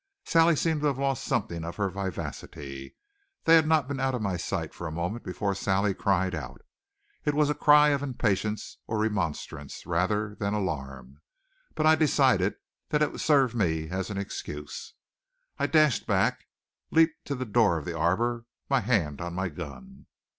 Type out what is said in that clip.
Sally seemed to have lost something of her vivacity. They had not been out of my sight for a moment before Sally cried out. It was a cry of impatience or remonstrance, rather than alarm, but I decided that it would serve me an excuse. I dashed back, leaped to the door of the arbor, my hand on my gun.